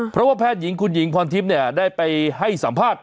เพราะว่าแพทย์หญิงคุณหญิงพรทิพย์ได้ไปให้สัมภาษณ์